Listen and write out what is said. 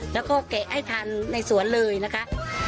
แล้วก็แกะให้ทันในสวนเลยนะคะ